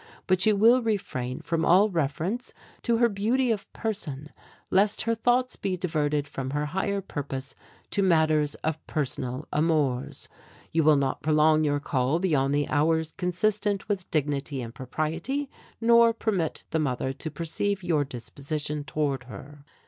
But you will refrain from all reference to her beauty of person, lest her thoughts be diverted from her higher purpose to matters of personal amours. "You will not prolong your call beyond the hours consistent with dignity and propriety, nor permit the mother to perceive your disposition toward her."